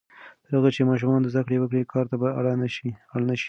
تر هغه چې ماشومان زده کړه وکړي، کار ته به اړ نه شي.